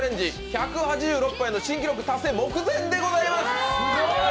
１８６杯の新記録達成目前でございます。